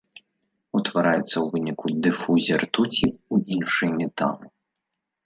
Утвараюцца ў выніку дыфузіі ртуці ў іншыя металы.